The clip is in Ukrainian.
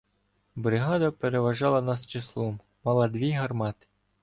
Бригада переважала нас числом, мала дві гармати.